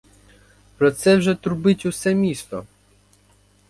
Про це вже трубить усе місто.